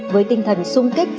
với tinh thần sung kích